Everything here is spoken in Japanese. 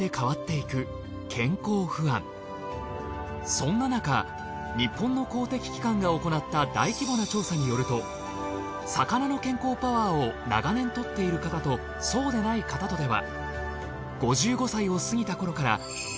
そんな中日本の公的機関が行った大規模な調査によると魚の健康パワーを長年とっている方とそうでない方とでは。